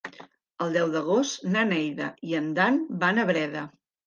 El deu d'agost na Neida i en Dan van a Breda.